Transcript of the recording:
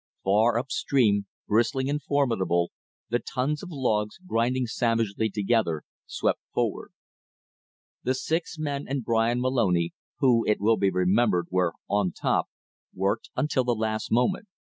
Far up stream, bristling and formidable, the tons of logs, grinding savagely together, swept forward. The six men and Bryan Moloney who, it will be remembered, were on top worked until the last moment.